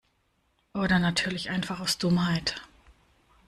Oder natürlich einfach aus Dummheit.